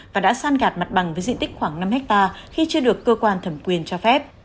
và đã san gạt mặt bằng với diện tích khoảng năm hectare khi chưa được cơ quan thẩm quyền cho phép